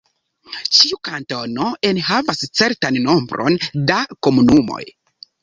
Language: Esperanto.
Ĉiu kantono enhavas certan nombron da komunumoj.